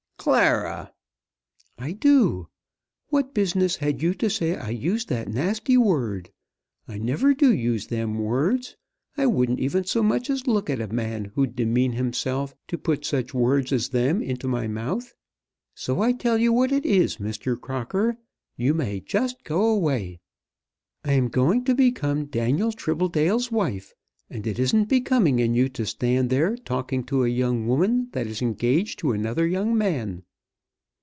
"Clara!" "I do. What business had you to say I used that nasty word? I never do use them words. I wouldn't even so much as look at a man who'd demean himself to put such words as them into my mouth. So I tell you what it is, Mr. Crocker; you may just go away. I am going to become Daniel Tribbledale's wife, and it isn't becoming in you to stand here talking to a young woman that is engaged to another young man."